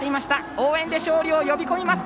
応援で勝利を呼び込みます。